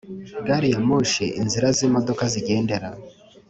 gari ya moshi inzira z imodoka zigendera